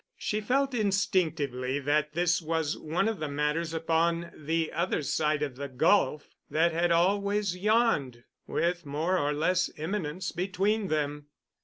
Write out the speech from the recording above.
She felt instinctively that this was one of the matters upon the other side of the gulf that had always yawned with more or less imminence between them.